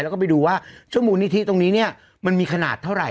แล้วก็ไปดูว่าช่วงบุญธีตรงนี้นี้มันมีขนาดเท่าไหร่